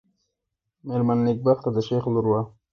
مېرمن نېکبخته د شېخ لور وه.